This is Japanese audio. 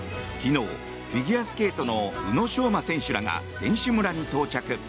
昨日、フィギュアスケートの宇野昌磨選手らが選手村に到着。